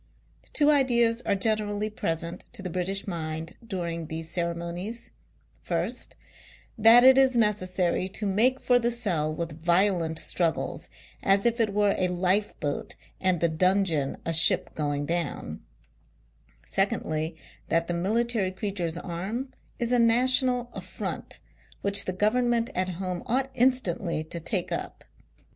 Two ideas are generally present to the British mind during these ceremonies ; first, that it is necessary to make for the cell with violent struggles, as if it were a life boat and the dungeon a ship going down ; secondly, that the military creature's arm is a national affront, which the government at home ought instantly to " take up."